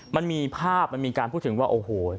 มันมีภาพมันมีการพูดถึงว่าโอ้โห